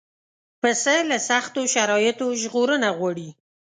پسه له سختو شرایطو ژغورنه غواړي.